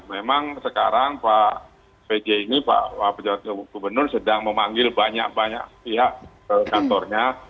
memang sekarang pak pj ini pak pejabat gubernur sedang memanggil banyak banyak pihak ke kantornya